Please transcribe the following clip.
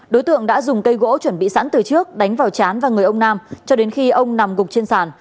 đối tượng đã dùng cây gỗ chuẩn bị sẵn từ trước đánh vào chán và người ông nam cho đến khi ông nằm gục trên sàn